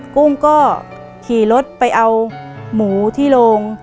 กุ้งก็ขี่รถไปเอาหมูที่โรง